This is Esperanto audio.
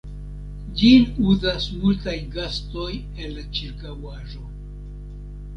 Ĝin uzas multaj gastoj el la ĉirkaŭaĵo.